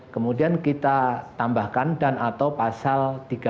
kemudian kita tambahkan dan atau pasal tiga ratus enam puluh